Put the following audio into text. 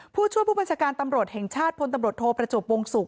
ผู้ช่วยผู้บัญชาการตำรวจแห่งชาติพลโทมปจบวงสุข